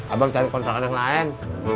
abang cari kontrakan yang lain